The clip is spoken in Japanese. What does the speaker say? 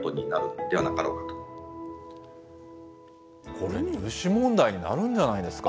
これ、入試問題になるんじゃないですか？